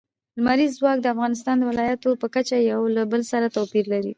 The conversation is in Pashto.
لمریز ځواک د افغانستان د ولایاتو په کچه یو له بل سره توپیر لري.